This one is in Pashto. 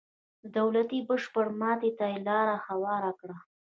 د دولتونو بشپړې ماتې ته یې لار هواره کړه.